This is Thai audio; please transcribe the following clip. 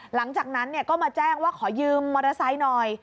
หลังจากนั้นก็มาแจ้งว่าขอยืมมอเตอร์ไซค์หน่อย